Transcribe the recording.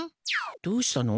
どうしたの？